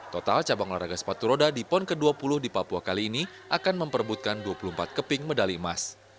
total cabang olahraga sepatu roda di pon ke dua puluh di papua kali ini akan memperbutkan dua puluh empat keping medali emas